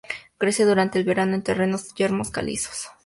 Crece durante el verano en terrenos yermos calizos.